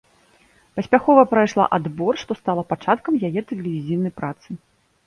Паспяхова прайшла адбор, што стала пачаткам яе тэлевізійнай працы.